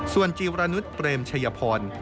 ส่วนจีวรนุษย์เปรมชัยพร